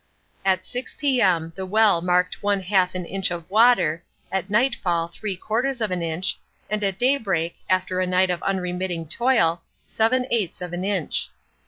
At six p.m. the well marked one half an inch of water, at nightfall three quarters of an inch, and at daybreak, after a night of unremitting toil, seven eighths of an inch.